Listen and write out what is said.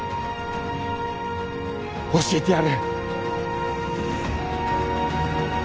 教えてやる。